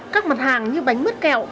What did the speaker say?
các mặt hàng như bánh mứt kẹo